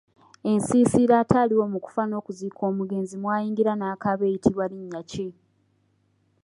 Ensiisira ataaliwo mu kufa n’okuziika omugenzi mwayingira n’akaaba eyitibwa linnya ki?.